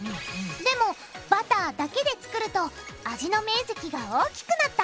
でもバターだけで作ると味の面積が大きくなった。